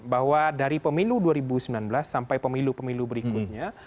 bahwa dari pemilu dua ribu sembilan belas sampai pemilu pemilu berikutnya